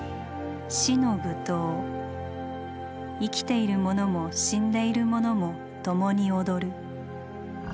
生きている者も死んでいる者も共に踊る。